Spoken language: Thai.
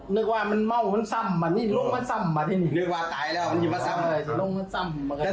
นึกว่ามันเมามันซ่ำอ่ะนี่ลงมันซ่ำอ่ะที่นี่นึกว่าตายแล้ว